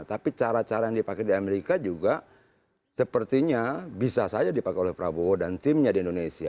tapi cara cara yang dipakai di amerika juga sepertinya bisa saja dipakai oleh prabowo dan timnya di indonesia